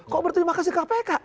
kok berterima kasih kpk